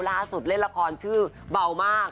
ล่าสุดเล่นละครชื่อเบามาก